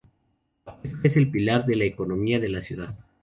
La pesca es el pilar de la economía de la ciudad.